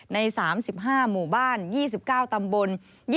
ใน๓๕หมู่บ้าน๒๙ตำบล